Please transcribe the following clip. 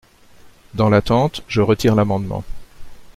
Dans l’attente, je retire l’amendement.